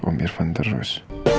om irfan terus